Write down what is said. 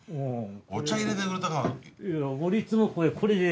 お茶入れてくれたのかなと。